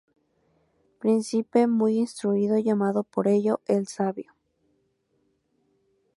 Príncipe muy instruido, llamado por ello "el Sabio".